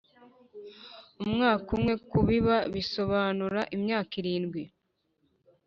umwaka umwe kubiba bisobanura imyaka irindwi